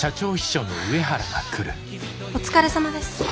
お疲れさまです。